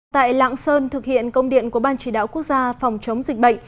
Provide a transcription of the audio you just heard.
tại lạng sơn thực hiện công điện của ban chỉ đạo quốc gia phòng chống dịch bệnh